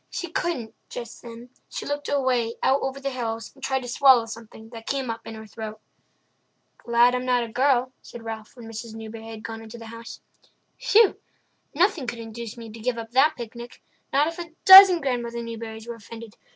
She couldn't, just then; she looked away out over the hills and tried to swallow something that came up in her throat. "Glad I'm not a girl," said Ralph, when Mrs. Newbury had gone into the house. "Whew! Nothing could induce me to give up that picnic—not if a dozen Grandmother Newburys were offended.